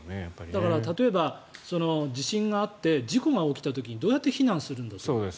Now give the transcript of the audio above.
だから例えば地震があって事故が起きた時にどうやって避難するんですかと。